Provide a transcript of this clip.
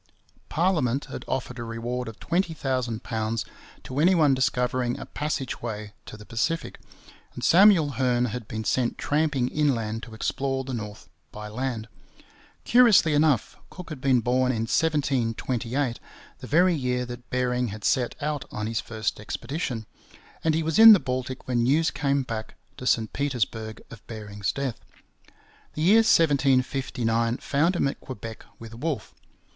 Parliament had offered a reward of £20,000 to any one discovering a passage way to the Pacific, and Samuel Hearne had been sent tramping inland to explore the north by land. Curiously enough, Cook had been born in 1728, the very year that Bering had set out on his first expedition; and he was in the Baltic when news came back to St Petersburg of Bering's death. The year 1759 found him at Quebec with Wolfe.